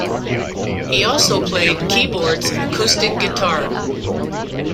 He also played keyboards and acoustic guitar.